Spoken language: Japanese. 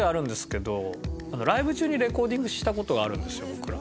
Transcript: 僕ら。